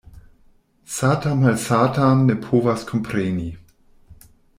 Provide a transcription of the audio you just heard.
Sata malsatan ne povas kompreni.